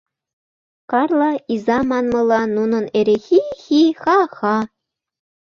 Карла иза манмыла, нунын эре «хи-хи, ха-ха!».